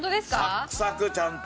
サクサクちゃんと。